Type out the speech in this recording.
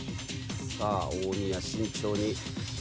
さあ大宮慎重に。